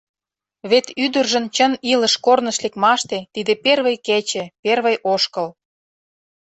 Вет ӱдыржын чын илыш корныш лекмаште тиде первый кече, первый ошкыл.